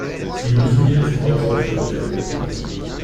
Sie müssen jetzt ausgeführt werden.